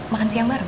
makan siang bareng